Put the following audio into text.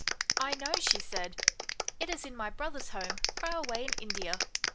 " I know," she said, " it is in my brother's home far away in India.